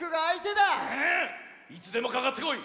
いつでもかかってこい！